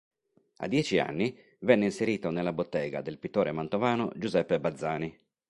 A dieci anni venne inserito nella bottega del pittore mantovano Giuseppe Bazzani.